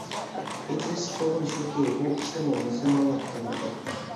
ئېچىنىشلىق بولغىنى شۇكى، بۇ ئىشنىمۇ مۇسۇلمانلار قىلمىدى.